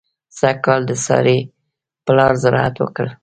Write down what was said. سږ کال د سارې پلار زراعت وکړ.